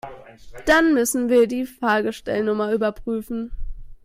Dann müssen wir die Fahrgestellnummer überprüfen.